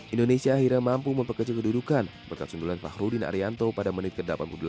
indonesia akhirnya mampu memperkecil kedudukan berkat sundulan fahrudin arianto pada menit ke delapan puluh delapan